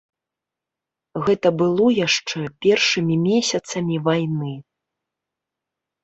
Гэта было яшчэ першымі месяцамі вайны.